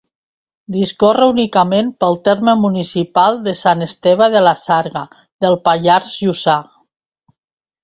Discorre únicament pel terme municipal de Sant Esteve de la Sarga, del Pallars Jussà.